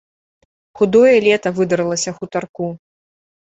Худое лета выдарылася хутарку.